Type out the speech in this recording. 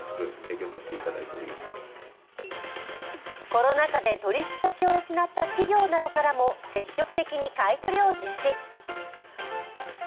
コロナ禍で取引先を失った企業などからも積極的に買い取りを実施。